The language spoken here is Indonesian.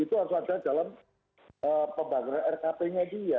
itu harus ada dalam pembangunan rkp nya dia